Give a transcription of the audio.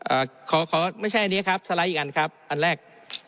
อ่าขอขอไม่ใช่อันนี้ครับสไลด์อีกอันครับอันแรก